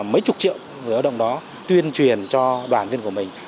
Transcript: mấy chục triệu người lao động đó tuyên truyền cho đoàn viên của mình